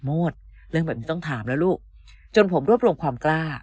โมดเรื่องแบบนี้ต้องถามแล้วลูกจนผมรวบรวมความกล้า